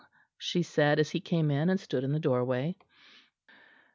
she said, as he came in and stood in the doorway.